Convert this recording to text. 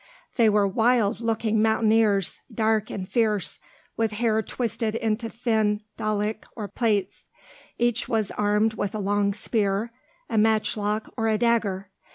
They were wild looking mountaineers, dark and fierce, with hair twisted into thin dalik or plaits: each was armed with a long spear, a matchlock, or a dagger.